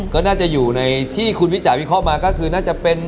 ก็น่าจะอยู่ในที่คุณวิจารณ์พิค้องมาก็คือน่าจะ